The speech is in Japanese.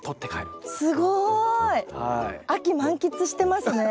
すごい！秋満喫してますね。